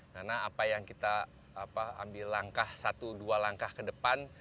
karena apa yang kita ambil langkah satu dua langkah ke depan